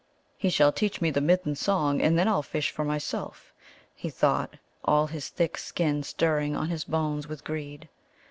"He shall teach me the Middens' song, and then I'll fish for myself," he thought, all his thick skin stirring on his bones with greed.